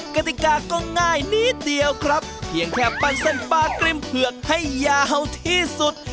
กติกาก็ง่ายนิดเดียวครับเพียงแค่ปั้นเส้นปลากริมเผือกให้ยาวที่สุด